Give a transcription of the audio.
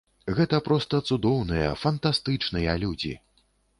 Гэта проста цудоўныя, фантастычныя людзі.